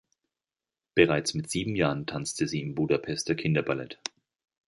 Bereits mit sieben Jahren tanzte sie im Budapester Kinderballett.